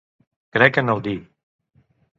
Crec en el di